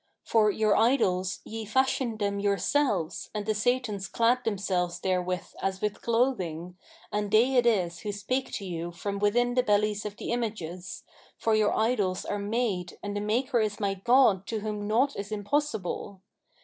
For your idols, ye fashioned them yourselves and the Satans clad themselves therewith as with clothing, and they it is who spake to you from within the bellies of the images,[FN#520] for your idols are made and the maker is my God to whom naught is impossible.